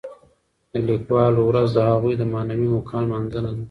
د لیکوالو ورځ د هغوی د معنوي مقام لمانځنه ده.